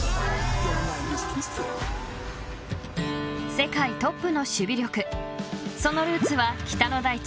［世界トップの守備力そのルーツは北の大地